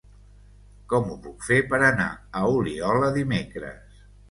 Com ho puc fer per anar a Oliola dimecres?